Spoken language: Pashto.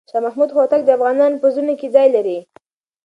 شاه محمود هوتک د افغانانو په زړونو کې ځای لري.